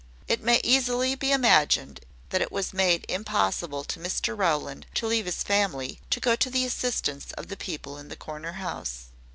It may easily be imagined that it was made impossible to Mr Rowland to leave his family, to go to the assistance of the people in the corner house.